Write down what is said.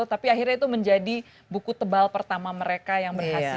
tapi akhirnya itu menjadi buku tebal pertama mereka yang berhasil